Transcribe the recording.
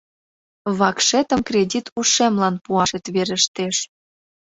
— Вакшетым кредит ушемлан пуашет верештеш.